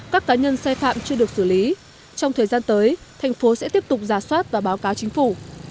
các cá nhân sai phạm chưa được xử lý trong thời gian tới thành phố sẽ tiếp tục giả soát và báo cáo chính phủ